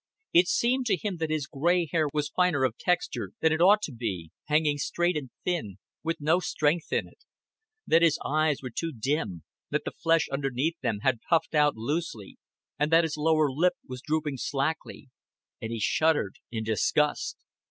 It seemed to him that his gray hair was finer of texture than it ought to be, hanging straight and thin, with no strength in it; that his eyes were too dim, that the flesh underneath them had puffed out loosely, and that his lower lip was drooping slackly and he shuddered in disgust.